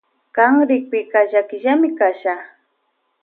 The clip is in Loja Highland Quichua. Kan rikpika llakillami kasha.